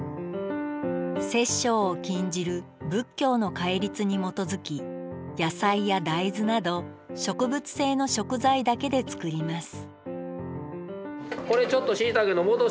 殺生を禁じる仏教の戒律に基づき野菜や大豆など植物性の食材だけで作ります